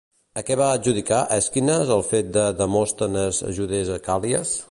A què va adjudicar Èsquines el fet que Demòstenes ajudés a Càl·lies?